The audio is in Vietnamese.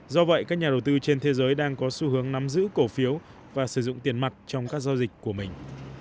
do vậy các nhà đầu tư trên thế giới đang có xu hướng nắm giữ cổ phiếu và sử dụng tiền mặt trong các giao dịch của mình